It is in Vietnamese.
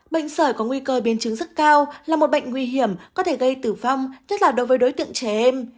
bệnh sởi có nguy cơ biến chứng rất cao là một bệnh nguy hiểm có thể gây tử vong tức là đối với đối tượng trẻ em